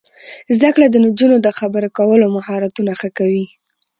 زده کړه د نجونو د خبرو کولو مهارتونه ښه کوي.